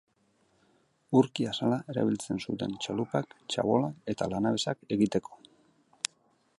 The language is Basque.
Urki-azala erabiltzen zuten txalupak, txabolak eta lanabesak egiteko.